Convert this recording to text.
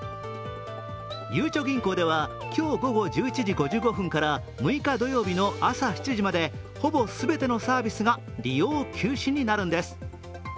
ゆうちょ銀行では今日午後１１時５５分から６日土曜日の朝７時までほぼ全てのサービスが利用休止になるんです。